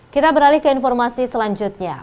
kita beralih ke informasi selanjutnya